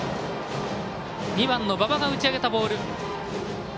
２番の馬場が打ち上げたボール。